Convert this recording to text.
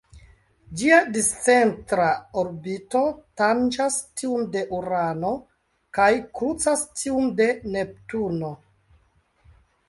Ĝia discentra orbito tanĝas tiun de Urano kaj krucas tiun de Neptuno.